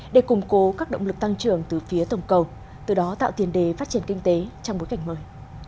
để củng cố các động lực tăng trưởng từ phía tổng cầu từ đó tạo tiền đề phát triển kinh tế trong bối cảnh mới